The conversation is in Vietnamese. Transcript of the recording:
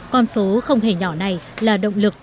con số không hề nhỏ này là động lực